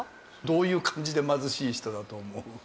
どういう感じで貧しい人だと思う？